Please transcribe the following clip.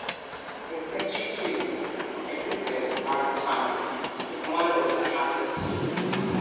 Incestuous feelings existed in White's family; his mother was attracted to him.